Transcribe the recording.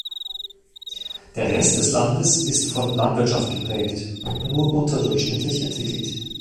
Der Rest des Landes ist von Landwirtschaft geprägt und nur unterdurchschnittlich entwickelt.